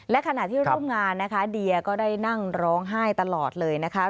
และขณะที่ร่วมงานนะคะเดียก็ได้นั่งร้องไห้ตลอดเลยนะคะ